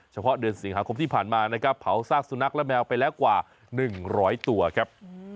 เดือนสิงหาคมที่ผ่านมานะครับเผาซากสุนัขและแมวไปแล้วกว่า๑๐๐ตัวครับ